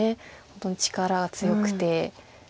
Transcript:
本当に力が強くて。